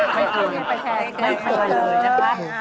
ไม่เอ่อไม่เคยเลยนะครับ